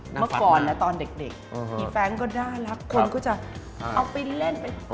เมื่อก่อนนะตอนเด็กมีแฟรงค์ก็น่ารักคนก็จะเอาไปเล่นไป